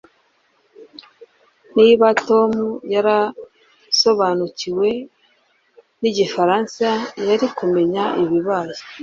Niba Tom yarasobanukiwe nigifaransa yari kumenya ibibaye